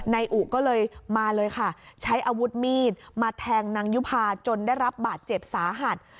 นายอุก็เลยมาเลยค่ะใช้อาวุธมีดมาแทงนางยุภาจนได้รับบาดเจ็บสาหัส